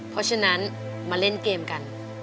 เพราะฉะนั้นมาเล่นเกมกัน